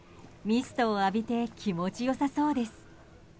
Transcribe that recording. ミストを浴びて気持ち良さそうです。